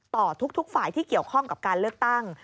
ต่อทุกฝ่ายที่เกี่ยวข้องกับการเลือกตั้ง